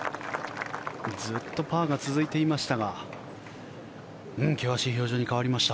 ずっとパーが続いていましたが険しい表情に変わりました。